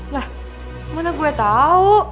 lah mana gue tau